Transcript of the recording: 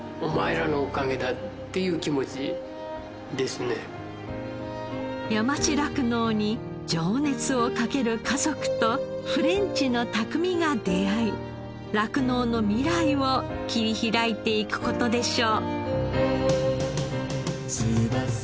ただただもう山地酪農に情熱をかける家族とフレンチの匠が出会い酪農の未来を切り開いていく事でしょう。